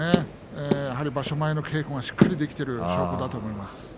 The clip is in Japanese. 場所前の稽古がしっかりできている証拠だと思います。